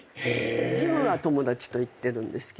ジムは友達と行ってるんですけど。